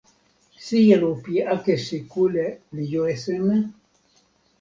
sijelo pi akesi kule li jo e seme?